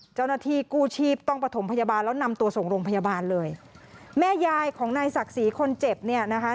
เจ้าหน้าที่กู้ชีพต้องประถมพยาบาลแล้วนำตัวส่งโรงพยาบาลเลยแม่ยายของนายศักดิ์ศรีคนเจ็บเนี่ยนะคะ